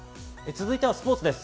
続いてはスポーツです。